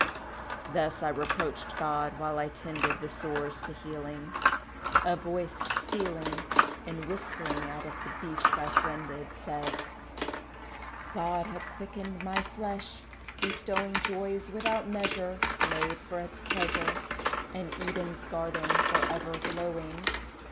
Thus I reproached God while I tended The sores to healing A voice stealing And whispering out of the beast I friended, Said, "God had quickened my flesh, bestowing Joys without measure, Made for its pleasure, An Eden's garden for ever glowing.